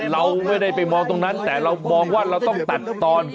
เราไม่ได้ไปมองตรงนั้นแต่เรามองว่าเราต้องตัดตอน